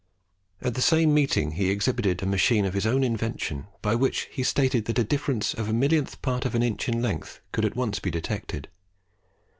At the same meeting he exhibited a machine of his invention by which he stated that a difference of the millionth part of an inch in length could at once be detected.